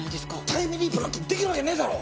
タイムリープなんてできるわけねえだろ！